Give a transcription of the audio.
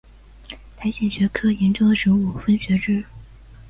苔藓学科学研究的植物学分支。